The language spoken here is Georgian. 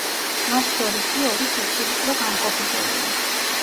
მათ შორის კი ორი თეთრი ვიწრო გამყოფი ზოლია.